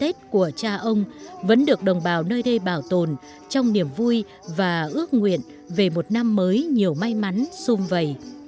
những bài hát của cha ông vẫn được đồng bào nơi đây bảo tồn trong niềm vui và ước nguyện về một năm mới nhiều may mắn xung vầy